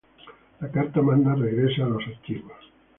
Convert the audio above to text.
La Carta Magna Regresa a los Archivos